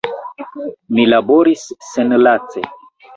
Mi laboris senlace.